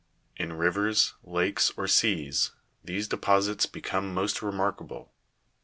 In rivers, lakes, or seas, these deposits become most remarkable.